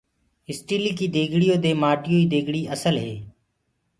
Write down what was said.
اسٽيليِ ڪي ديگڙيو دي مآٽيو ڪي ديگڙي اسل هي۔